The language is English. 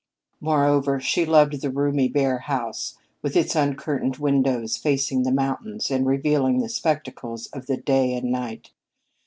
Moreover, she loved the roomy, bare house, with its uncurtained windows facing the mountains, and revealing the spectacles of the day and night.